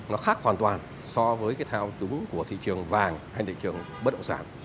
nó khác hoàn toàn so với cái thao túng của thị trường vàng hay thị trường bất động sản